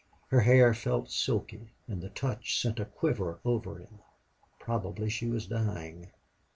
Her hair felt silky, and the touch sent a quiver over him. Probably she was dying.